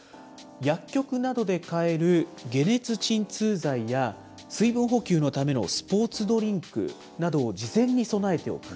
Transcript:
薬局などで買える解熱鎮痛剤や、水分補給のためのスポーツドリンクなどを事前に備えておく。